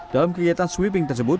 dalam kegiatan sweeping tersebut